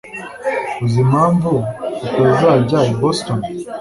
Uzi impamvu atazajyana i Boston?